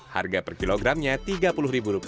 harga per kilogramnya rp tiga puluh